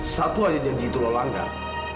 satu aja janji itu lo langgar